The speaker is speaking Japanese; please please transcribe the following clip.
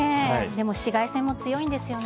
でも紫外線も強いんですよね。